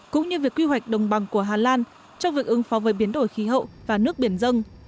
cũng như việc quy hoạch đồng bằng của hà lan trong việc ứng phó với biến đổi khí hậu và nước biển dân